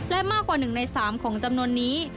และมากกว่า๑ใน๓ของจำนวนนี้